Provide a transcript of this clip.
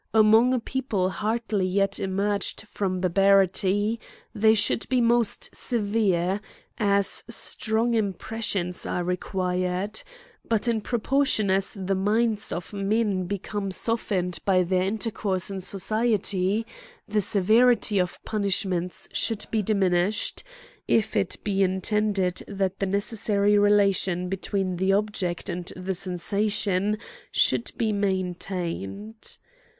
Among a people hard ly yet emerged from barbarity, they should be most severe, as strong impressions are required; but, in proportion as the minds of men become softened by their intercourse in society, the seve rity of punishments should be diminished, if it be intended that the necessary relation between the object and the sensation should be maintained.